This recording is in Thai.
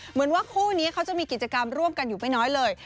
เหมือนว่าคู่นี้เขาจะมีกิจกรรมร่วมกันอยู่ไม่น้อยเลย